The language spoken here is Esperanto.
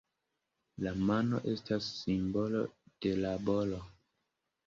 La mano estas simbolo de laboro.